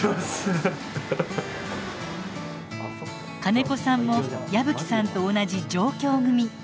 金子さんも矢吹さんと同じ上京組。